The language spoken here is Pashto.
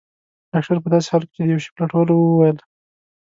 ډاکټر په داسې حال کې چي د یو شي په لټولو وو وویل.